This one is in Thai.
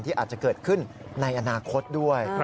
อาจจะเกิดขึ้นในอนาคตด้วย